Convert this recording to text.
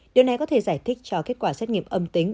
điều này có thể giải thích cho kết quả xét nghiệm âm tính